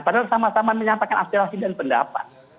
padahal sama sama menyampaikan aspirasi dan pendapat